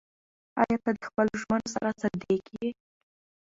ایا ته د خپلو ژمنو سره صادق یې؟